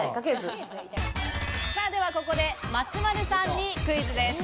ではここで松丸さんにクイズです。